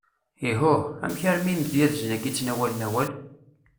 Ihuh! amek armi imedyazen agi ttnawalen awal?